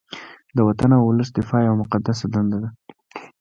د وطن او ولس دفاع یوه مقدسه دنده ده